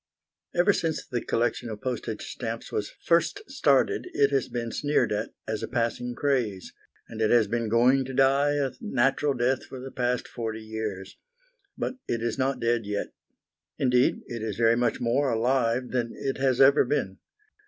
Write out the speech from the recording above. Ever since the collection of postage stamps was first started it has been sneered at as a passing craze, and it has been going to die a natural death for the past forty years. But it is not dead yet. Indeed, it is very much more alive than it has ever been.